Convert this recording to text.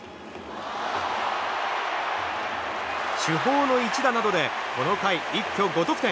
主砲の一打などでこの回、一挙５得点。